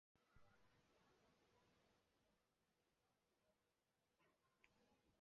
浦项工科大学是一所位于韩国庆尚北道浦项市的私立研究型综合大学。